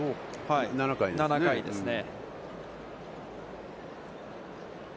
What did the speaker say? ７回ですね？